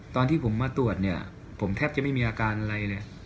ตอนที่ผมมาตรวจเนี่ยผมแทบจะไม่มีอาการอะไรเลย